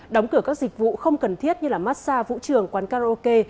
đóng cửa các dịch vụ không cần thiết như massage vũ trường quán karaoke